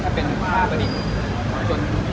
กดเบอร์ที่สุด